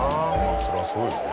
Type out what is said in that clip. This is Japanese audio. そりゃそうよね。